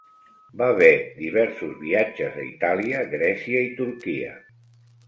Va ver diversos viatges a Itàlia, Grècia i Turquia.